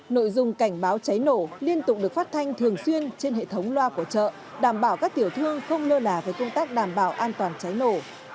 nội dung cảnh báo cháy nổ liên tục được phát thanh thường xuyên trên hệ thống loa của chợ đảm bảo các tiểu thương không lơ là với công tác đảm bảo an toàn cháy nổ